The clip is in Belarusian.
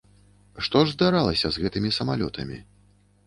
Што ж здаралася з гэтымі самалётамі?